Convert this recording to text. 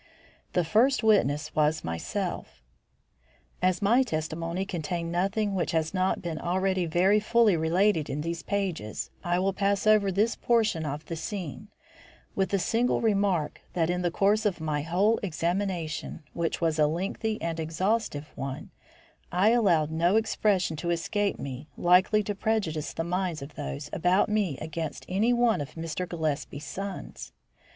The first witness was myself. As my testimony contained nothing which has not been already very fully related in these pages, I will pass over this portion of the scene, with the single remark that in the course of my whole examination, which was a lengthy and exhaustive one, I allowed no expression to escape me likely to prejudice the minds of those about me against any one of Mr. Gillespie's sons.